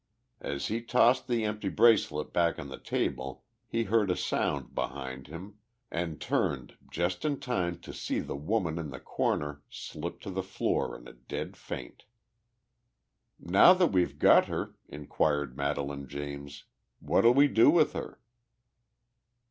As he tossed the empty bracelet back on the table he heard a sound behind him and turned just in time to see the woman in the corner slip to the floor in a dead faint. "Now that we've got her," inquired Madelaine James, "what'll we do with her?"